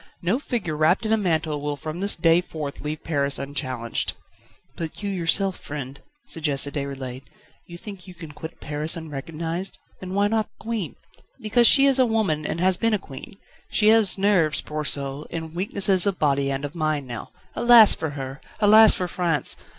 No figure wrapped in a mantle will from this day forth leave Paris unchallenged." "But you yourself, friend?" suggested Déroulède. "You think you can quit Paris unrecognised then why not the Queen?" "Because she is a woman, and has been a queen. She has nerves, poor soul, and weaknesses of body and of mind now. Alas for her! Alas for France!